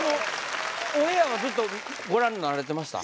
オンエアはずっとご覧になられてました？